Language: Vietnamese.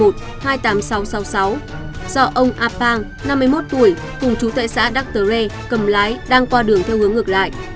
do ông a pang năm mươi một tuổi cùng chú tại xã đắc tờ rê cầm lái đang qua đường theo hướng ngược lại